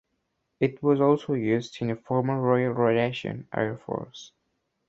It was also used in the former Royal Rhodesian Air Force.